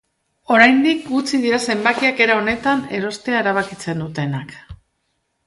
Oraindik, gutxi dira zenbakiak era honetan erostea erabakitzen dutenak.